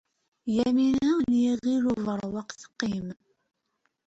Yamina n Yiɣil Ubeṛwaq teqqim.